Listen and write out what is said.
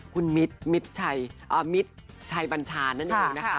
คุณมิตรมิตรมิตรชัยบัญชานั่นเองนะคะ